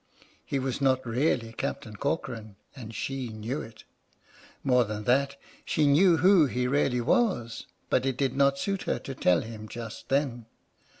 He was not really Captain Corcoran, and she knew it. More than that, she knew who he really was, but it did not suit her to tell him just then.